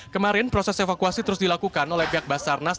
kemarin proses evakuasi terus dilakukan oleh pihak basarnas